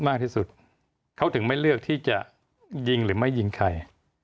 มากที่สุดเขาถึงไม่เลือกที่จะยิงหรือไม่ยิงใคร